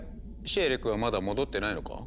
シエリ君はまだ戻ってないのか？